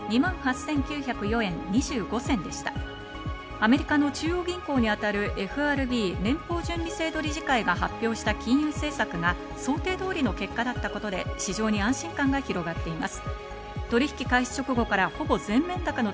アメリカの中央銀行に当たるＦＲＢ＝連邦準備制度理事会が発表した金融政策が想定通りの結果だったことで市場に安心感が広がっています。